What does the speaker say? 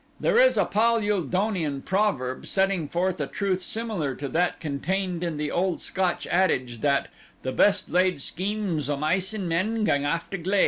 There is a Pal ul donian proverb setting forth a truth similar to that contained in the old Scotch adage that "The best laid schemes o' mice and men gang aft a gley."